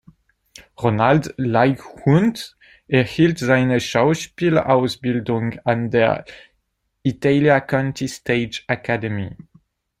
Ronald Leigh-Hunt erhielt seine Schauspielausbildung an der "Italia Conti Stage Academy".